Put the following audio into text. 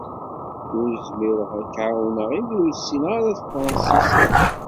Ur zmireɣ ad k-εawneɣ imi ur ssineɣ tafransist.